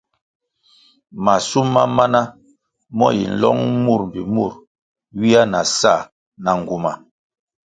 Mashum ma mana mo yi nlong mur mbpi mur ywia na sa na nguma.